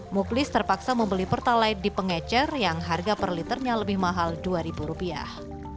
muklis terpaksa membeli pertalite di pengecer yang harga per liternya lebih mahal dua ribu rupiah